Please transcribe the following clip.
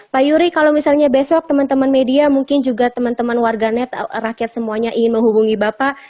pak yuri kalau misalnya besok teman teman media mungkin juga teman teman warganet rakyat semuanya ingin menghubungi bapak